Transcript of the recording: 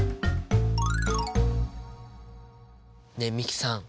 ねえ美樹さん